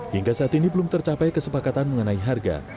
hingga saat ini belum tercapai kesepakatan mengenai harga